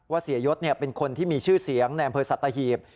ว่าเสียยศเป็นคนที่มีชื่อเสียงแนมเพอร์สัตตาหีบ